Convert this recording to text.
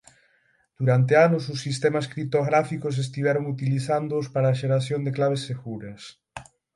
Durante anos os sistemas criptográficos estiveron utilizándoos para a xeración de claves seguras.